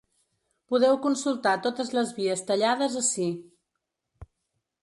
Podeu consultar totes les vies tallades ací.